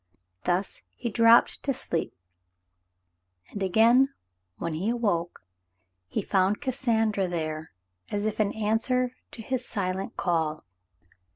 Thus he dropped to sleep, and again, when he awoke, he found Cassandra there as if in answer to his silent call.